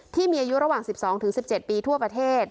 ที่มีอายุระหว่าง๑๒๑๗ปีทั่วประเทศ